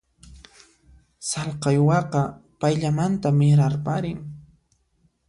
Sallqa uywaqa payllamanta mirarparin.